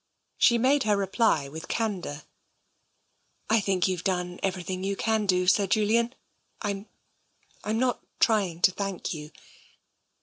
She made reply with candour. " I think you've done everything that you can do, Sir Julian. I'm — Fm not trying to thank you.